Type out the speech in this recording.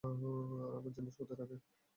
আমার জিনিস কোথায় রাখে!